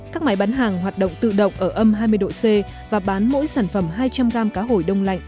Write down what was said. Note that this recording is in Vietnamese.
các máy bán hàng hoạt động tự động ở âm hai mươi độ c và bán mỗi sản phẩm hai trăm linh gram cá hổi đông lạnh